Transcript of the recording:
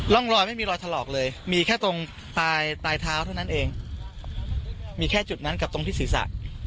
ร่องรอยไม่มีรอยถลอกเลยมีแค่ตรงปลายเท้าเท่านั้นเองมีแค่จุดนั้นกับตรงที่ศีรษะ